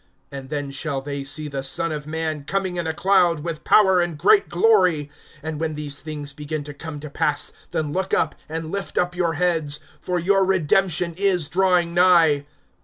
(27)And then shall they see the Son of man coming in a cloud, with power and great glory. (28)And when these things begin to come to pass, then look up, and lift up your heads; for your redemption is drawing nigh.